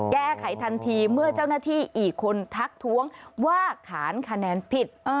แก้ไขทันทีเมื่อเจ้าหน้าที่อีกคนทักท้วงว่าขานคะแนนผิด